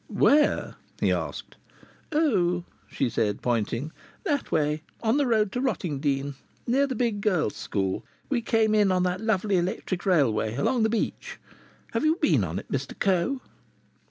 "Where?" he asked. "Oh!" she said, pointing. "That way. On the road to Rottingdean. Near the big girls' school. We came in on that lovely electric railway along the beach. Have you been on it, Mr Coe?"